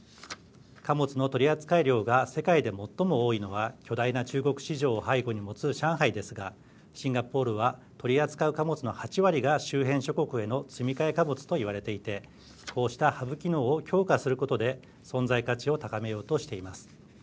貨物の取り扱い量が世界で最も多いのは巨大な中国市場を背後に持つ上海ですがシンガポールは取り扱う貨物の８割が周辺諸国への積み替え貨物といわれていてこうしたハブ機能を強化することで存在価値を高めようとしています。